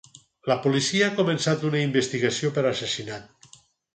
La policia ha començat una investigació per assassinat.